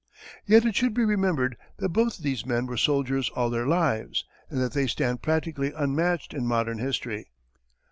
Yet it should be remembered that both these men were soldiers all their lives, and that they stand practically unmatched in modern history.